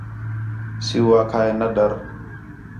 سِیُو آکھا ہِے نہ ڈَر